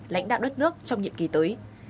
lãnh đạo đất nước trong nhiệm kỳ tới